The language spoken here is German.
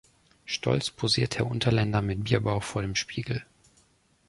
Stolz posiert Herr Unterländer mit Bierbauch vor dem Spiegel.